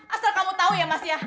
asal kamu tahu ya mas ya